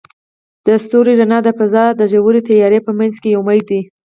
د ستوري رڼا د فضاء د ژورې تیارې په منځ کې یو امید دی.